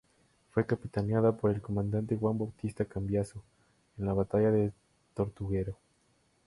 Fue capitaneada por el comandante Juan Bautista Cambiaso en la Batalla de Tortuguero.